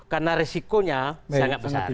karena resikonya sangat besar